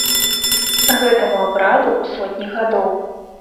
Гэтаму абраду сотні гадоў.